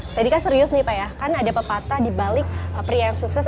tadi kan serius nih pak ya kan ada pepatah dibalik pria yang sukses